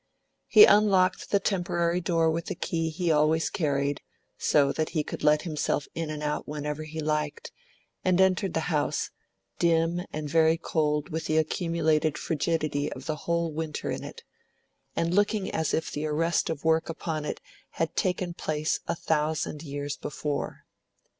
He unlocked the temporary door with the key he always carried, so that he could let himself in and out whenever he liked, and entered the house, dim and very cold with the accumulated frigidity of the whole winter in it, and looking as if the arrest of work upon it had taken place a thousand years before.